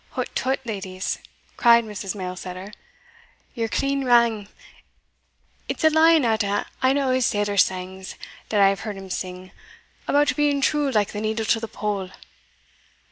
"Hout tout, leddies," cried Mrs. Mailsetter, "ye're clean wrang It's a line out o' ane o' his sailors' sangs that I have heard him sing, about being true like the needle to the pole."